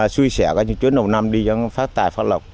xui xẻ chuyến đầu năm đi phát tài phát lọc